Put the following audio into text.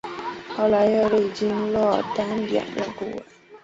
后来又历经若尔丹两任顾问。